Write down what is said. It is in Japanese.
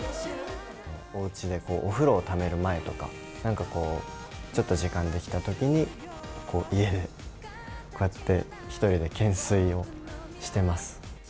おうちでお風呂をためる前とかなんかこう、ちょっと時間出来たときに、こう、家でこうやって、１人で懸垂をしてます。